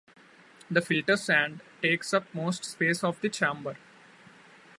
The filter sand takes up most space of the chamber.